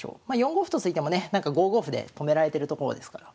４五歩と突いてもねなんか５五歩で止められてるところですから